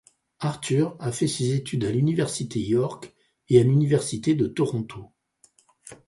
Arthurs a fait ses études à l'Université York et à l'Université de Toronto.